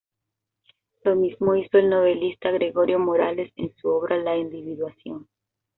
Lo mismo hizo el novelista Gregorio Morales en su obra "La individuación".